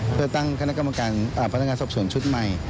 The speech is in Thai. เพื่อตั้งคณะกรรมการพนักงานสอบส่วนชุดใหม่